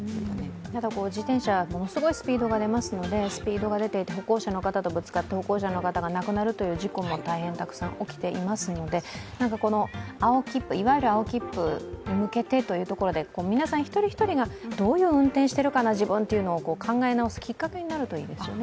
ただ、自転車ものすごいスピードが出ていて歩行者の方とぶつかって、歩行者の方が亡くなるという事故も大変たくさん起きていますのでいわゆる青切符に向けてというところで皆さん一人一人がどういう運転してるのかな自分というのを考え直すきっかけになるといいですよね。